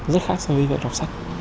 rất khác so với vậy đọc sách